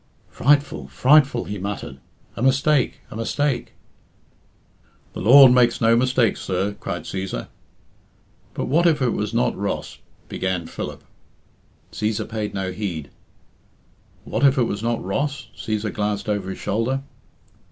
"Frightful! frightful!" he muttered. "A mistake! a mistake!" "The Lord God makes no mistakes, sir," cried Cæsar. "But what if it was not Ross " began Philip. Cæsar paid no heed. "What if it was not Ross " Cæsar glanced over his shoulder.